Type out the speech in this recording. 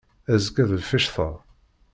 Azekka d lficṭa.